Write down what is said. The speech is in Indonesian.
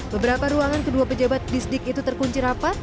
beberapa ruangan kedua pejabat di sedik itu terkunci rapat